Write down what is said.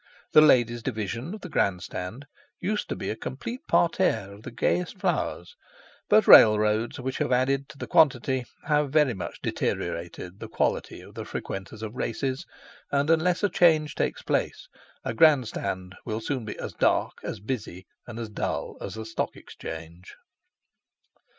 The ladies' division of the Grand Stand used to be a complete parterre of the gayest flowers; but railroads, which have added to the quantity, have very much deteriorated the quality of the frequenters of races, and unless a change takes place, a Grand Stand will soon be as dark, as busy, and as dull as the Stock Exchange.